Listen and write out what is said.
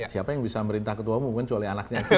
siapa yang bisa merintah ketua mu mungkin kecuali anaknya gitu